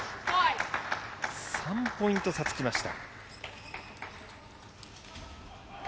３ポイント差つきました。